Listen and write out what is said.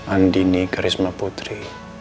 andini karisma putri